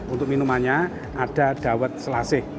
untuk minumannya ada dawet selasih